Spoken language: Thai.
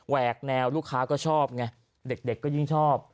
แวกแนวลูกค้าก็ชอบไงเด็กก็ยิ่งชอบ